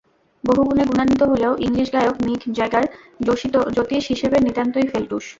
বহুগুণে গুণান্বিত হলেও ইংলিশ গায়ক মিক জ্যাগার জ্যোতিষ হিসেবে নিতান্তই ফেলটুস।